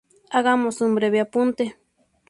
Hagamos un breve apunte.